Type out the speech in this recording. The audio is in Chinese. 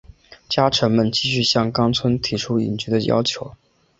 家臣们继续向纲村提出隐居的要求。